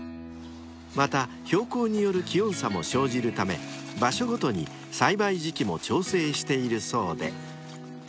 ［また標高による気温差も生じるため場所ごとに栽培時期も調整しているそうで］